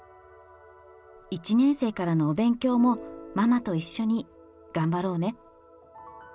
１年生からのお勉強も、ママと一緒に頑張ろうね。